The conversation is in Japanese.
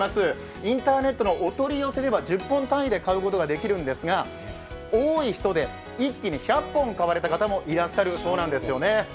インターネットのお取り寄せでは１０本単位で買うことができるんですが多い人で一気に１００本買われた方もいらっしゃるそうなんですよね。